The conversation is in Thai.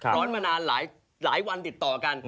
ร้อนมานานหลายวันติดต่อกัน